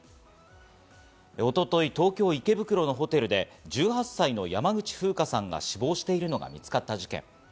一昨日、東京・池袋のホテルで１８歳の山口ふうかさんが死亡してるのが見つかった事件。